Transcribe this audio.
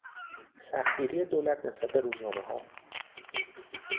سختگیری دولت نسبت به روزنامهها